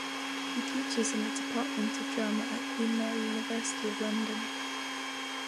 He teaches in the Department of Drama at Queen Mary University of London.